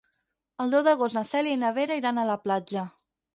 El deu d'agost na Cèlia i na Vera iran a la platja.